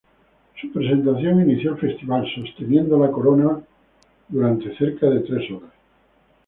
Su presentación inició el festival, sosteniendo la corona por cerca de tres horas.